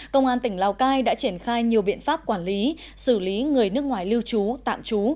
công an tỉnh lào cai đã triển khai nhiều biện pháp quản lý xử lý người nước ngoài lưu trú tạm trú